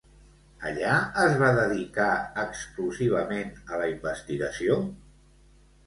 Allà es va dedicar exclusivament a la investigació?